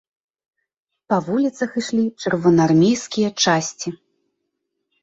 Па вуліцах ішлі чырвонаармейскія часці.